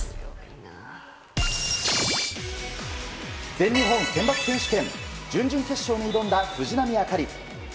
全日本選抜選手権準々決勝に挑んだ藤波朱理。